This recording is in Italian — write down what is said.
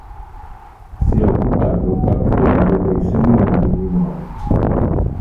Si è occupato in particolare dei seminari minori.